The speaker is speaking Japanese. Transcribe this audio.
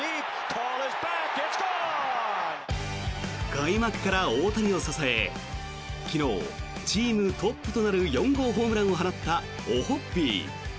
開幕から大谷を支え昨日、チームトップとなる４号ホームランを放ったオホッピー。